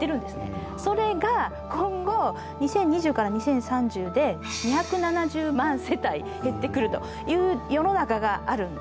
それが今後２０２０から２０３０で２７０万世帯減ってくるという世の中があるんですね。